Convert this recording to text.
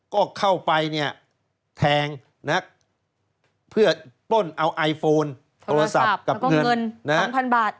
ก็เข้าไปเนี่ยแทงเพื่อปล้นเอาไอโฟนโทรศัพท์กับเงิน๒๐๐๐บาท